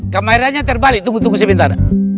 kameranya terbalik tunggu tunggu sebentar